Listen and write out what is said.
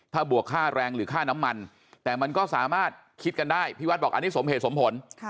ถ้าบวกค่าแรงหรือค่าน้ำมันแต่มันก็สามารถคิดกันได้พี่วัดบอกอันนี้สมเหตุสมผล